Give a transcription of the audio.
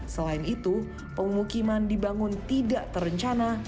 selain itu pemukiman dibangun tidak terencana